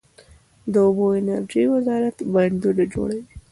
د اوبو او انرژۍ وزارت بندونه جوړوي؟